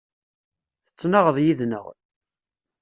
Tettnaɣeḍ yid-neɣ.